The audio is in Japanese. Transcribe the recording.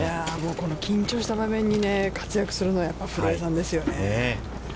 緊張した場面に活躍するのは、やっぱり古江さんですよね。